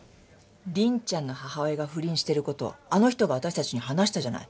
凛ちゃんの母親が不倫してる事あの人が私たちに話したじゃない。